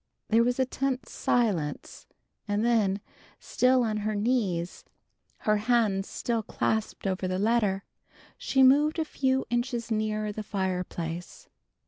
There was a tense silence. And then, still on her knees, her hands still clasped over the letter, she moved a few inches nearer the fireplace.